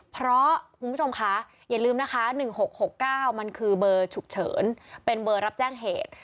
เพราะคุณผู้ชมคะอย่าลืมนะคะ๑๖๖๙มันคือเบอร์ฉุกเฉินเป็นเบอร์รับแจ้งเหตุ